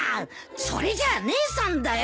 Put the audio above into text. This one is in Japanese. それじゃあ姉さんだよ！